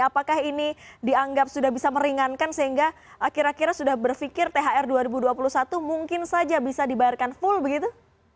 apakah ini dianggap sudah bisa meringankan sehingga kira kira sudah berpikir thr dua ribu dua puluh satu mungkin saja bisa dibayarkan full begitu